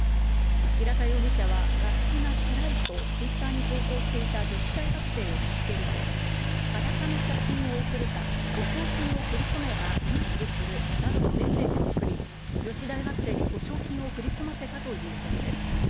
平田容疑者は学費がつらいとツイッターに投稿していた女子大学生を見つけると、裸の写真を送るか、保証金を振り込めば融資するなどとメッセージを送り、女子大学生に保証金を振り込ませたということです。